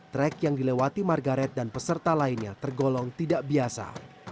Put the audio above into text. trek yang dilewati margaret dan peserta lainnya tergolong tidak biasa